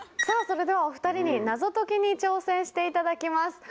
さぁそれではお２人に謎解きに挑戦していただきます。